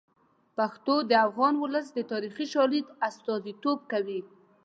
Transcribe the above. پښتو د افغان ولس د تاریخي شالید استازیتوب کوي.